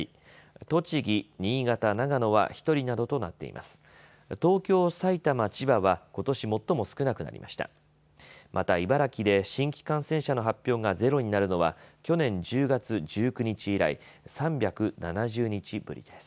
また茨城で新規感染者の発表がゼロになるのは去年１０月１９日以来、３７０日ぶりです。